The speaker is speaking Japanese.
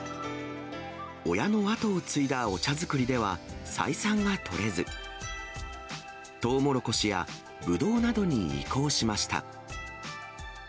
親の跡を継いだお茶づくりでは採算が取れず、トウモロコシやブドウなどに移行しました。